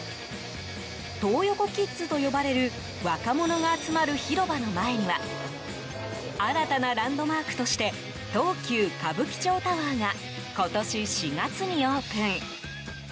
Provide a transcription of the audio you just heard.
トー横キッズと呼ばれる若者が集まる広場の前には新たなランドマークとして東急歌舞伎町タワーが今年４月にオープン。